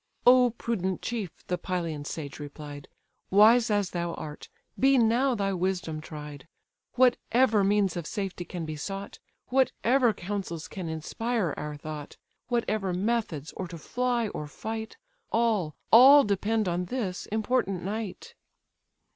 "O prudent chief! (the Pylian sage replied) Wise as thou art, be now thy wisdom tried: Whatever means of safety can be sought, Whatever counsels can inspire our thought, Whatever methods, or to fly or fight; All, all depend on this important night!"